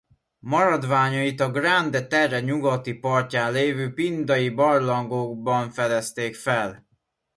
Maradványait a Grande Terre nyugati partján levő Pindai-barlangokban fedezték fel.